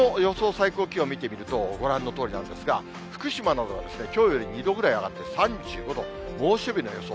最高気温を見てみると、ご覧のとおりなんですが、福島などは、きょうより２度ぐらい上がって３５度、猛暑日の予想。